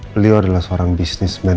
beliau adalah seorang bisnismen